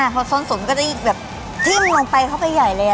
เพราะส้นสุดมันก็จะแบบทิ้มลงไปเขาก็ใหญ่เลยอ่ะ